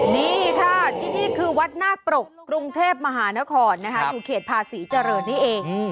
นี่ค่ะที่นี่คือวัดหน้าปรกกรุงเทพมหานครนะคะอยู่เขตภาษีเจริญนี่เอง